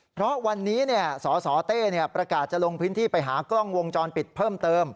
เพราะวันนี้สสเต้ประกาศจะลงพื้นที่ไปหากล้องวงจรปิดเพิ่มเติม